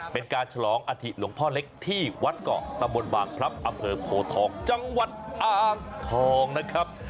เป็นการฉลองอาธิหลวงพ่อเล็กที่วัดเกาะตะบนบางพลับอำเภอโพทองจังหวัดอ่างทองนะครับ